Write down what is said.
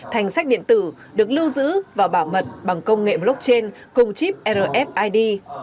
thành sách điện tử được lưu giữ và bảo mật bằng công nghệ blockchain cùng chip rfid